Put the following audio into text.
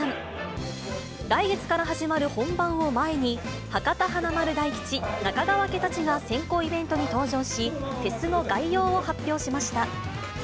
来月から始まる本番を前に、博多華丸・大吉、中川家たちが先行イベントに登場し、フェスの概要を発表しました。